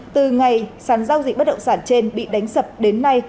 từ ngày sản giao dịch bất động sản trên bị đánh sập đến nay